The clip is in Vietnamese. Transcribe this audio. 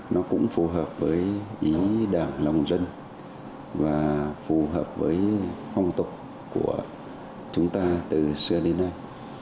nó cũng phù hợp với yếu đảng lòng dân và phù hợp với phong tục của chúng ta từ xưa đến nay